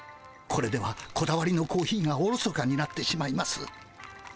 これではこだわりのコーヒーがおろそかになってしまいます。